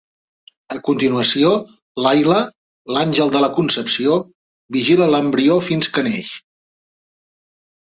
A continuació, Lailah, l'Àngel de la Concepció, vigila l'embrió fins que neix.